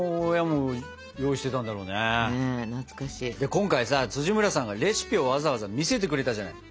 今回さ村さんがレシピをわざわざ見せてくれたじゃない。